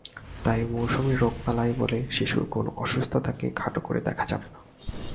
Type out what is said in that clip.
তাই মৌসুমি রোগ-বালাই বলে শিশুর কোনো অসুস্থতাকেই খাটো করে দেখা যাবে না।